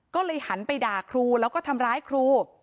ก็เลยหันไปด่าครูแล้วก็ทำร้ายครู